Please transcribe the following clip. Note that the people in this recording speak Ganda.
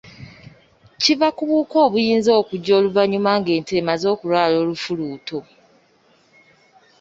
Kiva ku buwuka obuyinza okujja oluvannyuma ng’ente emaze okulwala olufuluuto.